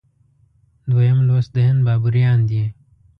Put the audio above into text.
دویم لوست د هند بابریان دي.